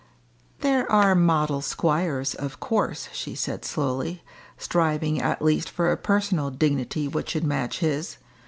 "There are model squires, of course," she said slowly, striving at least for a personal dignity which should match his.